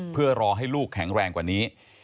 เพื่อรอให้ลูกแข็งแรงกว่านี้